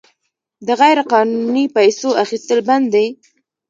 د غیرقانوني پیسو اخیستل بند دي؟